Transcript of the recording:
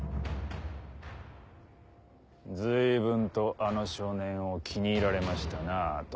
随分とあの少年を気に入られましたなぁ殿。